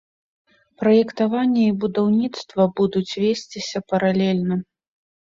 Праектаванне і будаўніцтва будуць весціся паралельна.